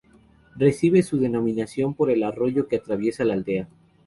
Recibe su denominación por el arroyo que atraviesa la aldea.